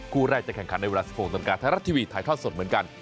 คู่แรกจะแข่งขันในเวลา๑๖นาฬิกาไทยรัฐทีวีถ่ายทอดสดเหมือนกัน